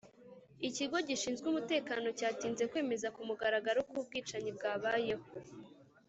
Ikigo gishinzwe umutekano cyatinze kwemeza ku mugaragaro ko ubwicanyi bwabayeho